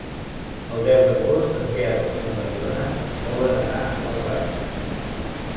El deu d'agost en Quel i na Mariona volen anar a la platja.